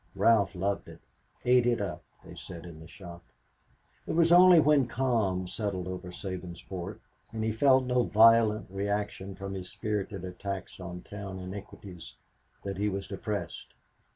Ralph loved it, "ate it up," they said in the shop. It was only when calm settled over Sabinsport and he felt no violent reaction from his spirited attacks on town iniquities that he was depressed.